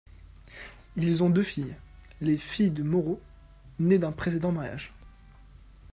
Ils ont deux filles, les filles de Mauro, nées d'un précédent mariage.